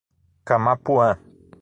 Camapuã